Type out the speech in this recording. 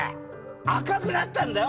赤くなったんだよ